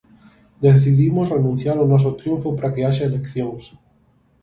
Decidimos renunciar ao noso triunfo para que haxa eleccións.